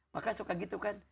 maka suka gitu kan